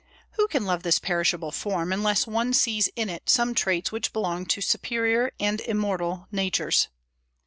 Who can love this perishable form, unless one sees in it some traits which belong to superior and immortal natures?